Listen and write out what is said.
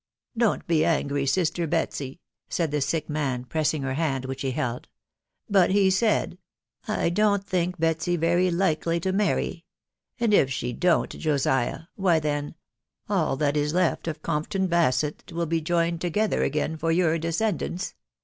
don't be angry, sister Betsy," said the sick man, pressing her hand which he fheld, "but he said, f I don't think "Betsy *very likely to •marry; and if jshe don't, Josiah, why, then, all that is lefVof Compton Basett wiEL be Joined together agom tor your ^fesceadaniB